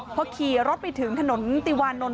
พอขี่รถไปถึงถนนติวานนท